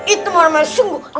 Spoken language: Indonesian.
itu warna warna sungguh enak